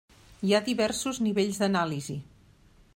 Hi ha diversos nivells d'anàlisi.